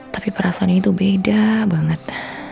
tapi perasaan ini tuh beda banget